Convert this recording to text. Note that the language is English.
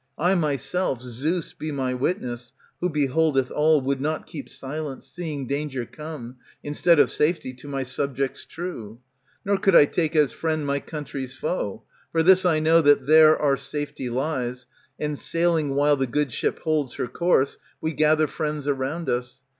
I myself, Zeus be my witness, w^ho beholdeth all, Would not keep silence, seeing danger come, Instead of safety, to my subjects true. Nor could I take as friend my country's foe; For this I know, that there our safety lies, And sailing while the good ship holds her course, We gather friends around us.